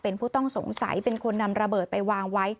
เป็นผู้ต้องสงสัยเป็นคนนำระเบิดไปวางไว้